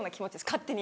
勝手に。